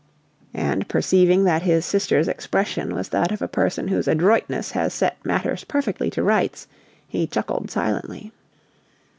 And, perceiving that his sister's expression was that of a person whose adroitness has set matters perfectly to rights, he chuckled silently.